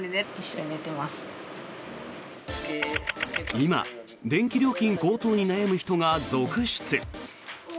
今、電気料金高騰に悩む人が続出。